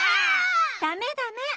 ダメダメッ！